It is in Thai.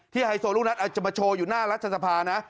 ที่ไฮโซลูกนั้นจะมาโชว์อยู่หน้ารัฐศาสตร์ภาพนะ